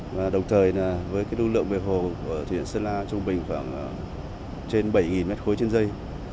và đồng thời với lưu lượng về hồ thủy điện sơn la trung bình khoảng trên bảy mét khối trên dây